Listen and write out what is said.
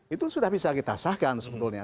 itu sudah bisa kita sahkan sebetulnya